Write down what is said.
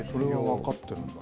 分かってるんだ。